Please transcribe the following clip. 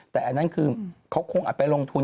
แต่อันนั้นคือเขาคงอาจไปลงทุน